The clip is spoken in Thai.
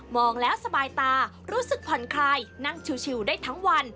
แล้วสบายตารู้สึกผ่อนคลายนั่งชิวได้ทั้งวัน